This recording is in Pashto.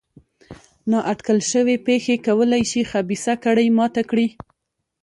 نا اټکل شوې پېښې کولای شي خبیثه کړۍ ماته کړي.